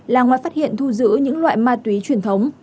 là ngoài phát hiện thu giữ những loại ma túy truyền thống